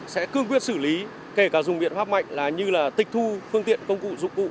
sẽ cương quyết xử lý kể cả dùng biện pháp mạnh là như là tịch thu phương tiện công cụ dụng cụ